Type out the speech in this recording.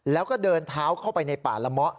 แล้วก็เดินเท้าเข้าไปในป่าละเมาะ